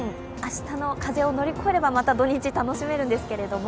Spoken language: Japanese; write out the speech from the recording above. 明日の風を乗り越えれば、また土日楽しめるんですが。